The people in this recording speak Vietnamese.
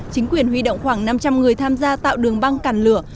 chính quyền huy động khoảng năm trăm linh người tham gia tạo đường băng cản lửa